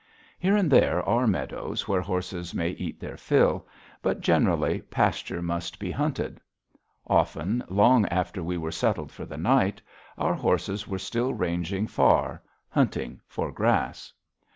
Here and there are meadows where horses may eat their fill; but, generally, pasture must be hunted. Often, long after we were settled for the night, our horses were still ranging far, hunting for grass.